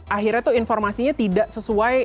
akhirnya tuh informasinya tidak sesuai